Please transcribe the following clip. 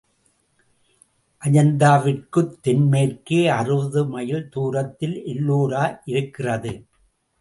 அஜந்தாவிற்குத் தென் மேற்கே அறுபது மைல் தூரத்தில் எல்லோரா இருக்கிறது.